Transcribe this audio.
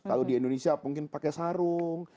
kalau di indonesia mungkin pakai sarung